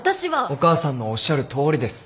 お母さんのおっしゃるとおりです。